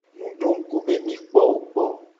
Mi do ngku be mi kpo wo kpo.